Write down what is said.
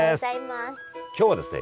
今日はですね